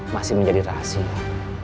masih menjadi rahasia